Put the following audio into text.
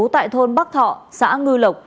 tại thôn bắc thọ xã ngư lộc